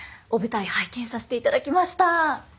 お舞台拝見させていただきました。